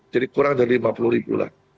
jadi kurang dari lima puluh ribu lah